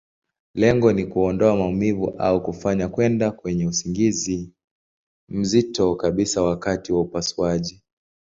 Lengo ni kuondoa maumivu, au kufanya kwenda kwenye usingizi mzito kabisa wakati wa upasuaji.